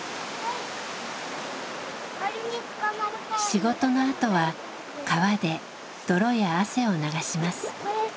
仕事のあとは川で泥や汗を流します。